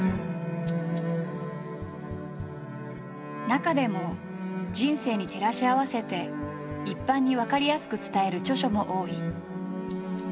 中でも人生に照らし合わせて一般にわかりやすく伝える著書も多い。